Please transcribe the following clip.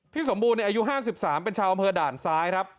สมบูรณ์อายุ๕๓เป็นชาวอำเภอด่านซ้ายครับ